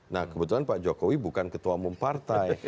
nah kebetulan pak jokowi bukan ketua umum partai